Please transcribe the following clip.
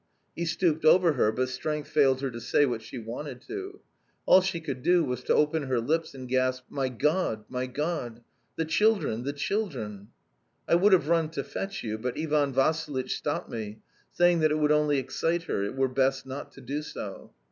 He stooped over her, but strength failed her to say what she wanted to. All she could do was to open her lips and gasp, 'My God, my God! The children, the children!' I would have run to fetch you, but Ivan Vassilitch stopped me, saying that it would only excite her it were best not to do so.